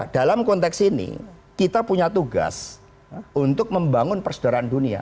dalam konteks ini kita punya tugas untuk membangun persedaraan dunia